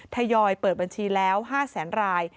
ทยอยเปิดบัญชีแล้ว๕แสนราย